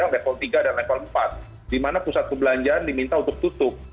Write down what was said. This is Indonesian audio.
level tiga dan level empat di mana pusat perbelanjaan diminta untuk tutup